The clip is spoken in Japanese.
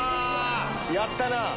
やったな？